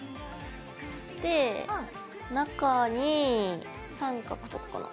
で中に三角とかかな。